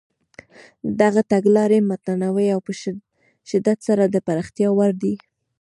دغه تګلارې متنوع او په شدت سره د پراختیا وړ دي.